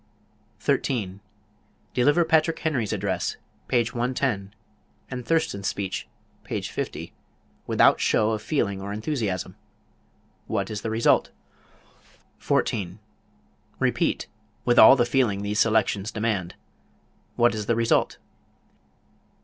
13. Deliver Patrick Henry's address, page 110, and Thurston's speech, page 50, without show of feeling or enthusiasm. What is the result? 14. Repeat, with all the feeling these selections demand. What is the result?